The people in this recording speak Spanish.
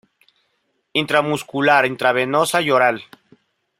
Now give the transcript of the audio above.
Intramuscular, intravenosa y oral.